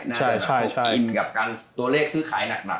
น่าจะอินกับการตัวเลขซื้อขายหนัก